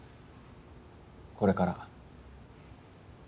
これから。